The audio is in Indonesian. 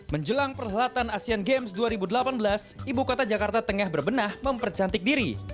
menjelang perhelatan asean games dua ribu delapan belas ibu kota jakarta tengah berbenah mempercantik diri